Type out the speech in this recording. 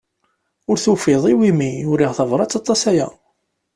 Ur tufiḍ iwimi uriɣ tabrat aṭas aya.